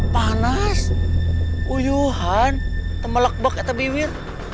panas uyuhan tembak lebaknya terbimbing